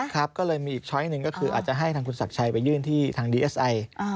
ครับก็เลยมีอีกช้อยหนึ่งก็คืออาจจะให้ทางคุณศักดิ์ชัยไปยื่นที่ทางดีเอสไอ